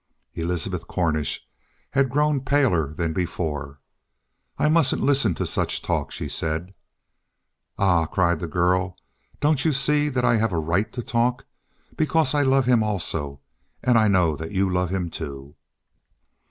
Elizabeth Cornish had grown paler than before. "I mustn't listen to such talk," she said. "Ah," cried the girl, "don't you see that I have a right to talk? Because I love him also, and I know that you love him, too."